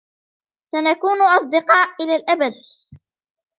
سنكون اصدقاء الى الابد.